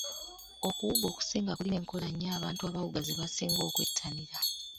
Okuwuga okusinga kulina enkola nnya abantu abawuga ze basinga okwettanira.